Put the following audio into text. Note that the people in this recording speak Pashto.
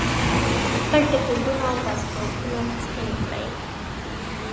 خپل ټکټونه او پاسپورټونه سکین کړي.